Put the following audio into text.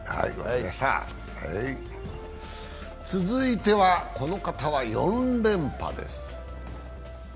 続いては、この方は４連覇です。